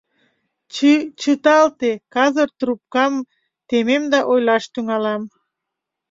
Чы-чыталте, казыр трупкам темем да ойлаш тӱҥалам.